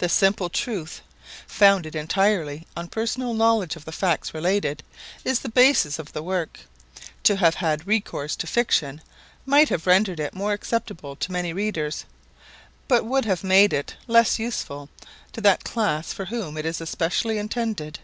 The simple truth, founded entirely on personal knowledge of the facts related, is the basis of the work; to have had recourse to fiction might have rendered it more acceptable to many readers, but would have made it less useful to that class for whom it is especially intended.